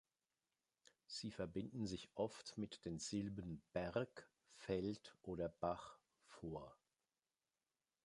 Sie verbinden sich oft mit den Silben -berg, -feld oder -bach vor.